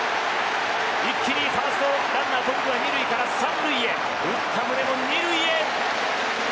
一気にファーストランナー頓宮は２塁から３塁へ打った宗も２塁へ。